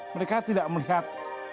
mereka tidak melihat